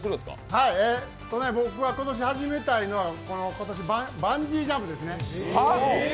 僕は今年始めたいのはバンジージャンプですね。